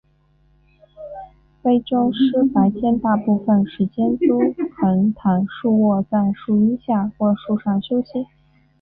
非洲狮白天大部分时间都横躺竖卧在树荫下或树上休息。